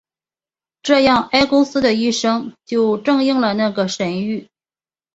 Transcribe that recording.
这样埃勾斯的一生就正应了那个神谕。